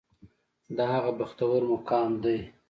دا هغه بختور مقام دی.